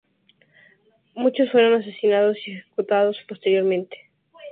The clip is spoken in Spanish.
Muchos fueron asesinados y ejecutados posteriormente.